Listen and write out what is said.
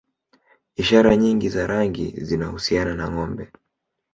Ishara nyingi za rangi zinahusiana na Ngombe